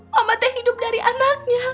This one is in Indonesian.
mamate hidup dari anaknya